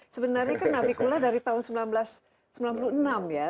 sebenarnya kan nabikula dari tahun seribu sembilan ratus sembilan puluh enam ya